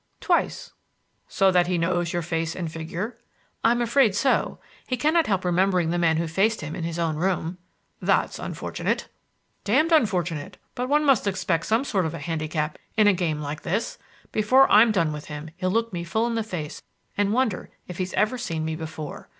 "Twice." "So that he knows your face and figure?" "I'm afraid so. He cannot help remembering the man who faced him in his own room." "That's unfortunate." "Damned unfortunate; but one must expect some sort of a handicap in a game like this. Before I'm done with him, he'll look me full in the face and wonder if he's ever seen me before.